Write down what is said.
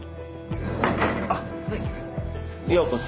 ようこそ。